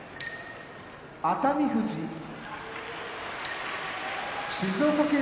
熱海富士静岡県出身